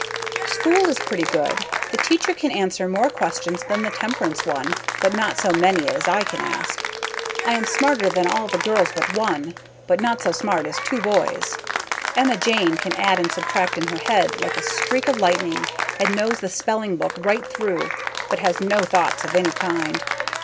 School is pretty good. The Teacher can answer more questions than the Temperance one but not so many as I can ask. I am smarter than all the girls but one but not so smart as two boys. Emma Jane can add and subtract in her head like a streek of lightning and knows the speling book right through but has no thoughts of any kind.